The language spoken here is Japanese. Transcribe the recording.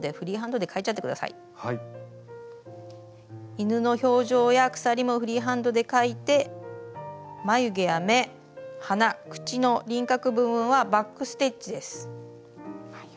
犬の表情や鎖もフリーハンドで描いて眉毛や目鼻口の輪郭部分はバック・ステッチです。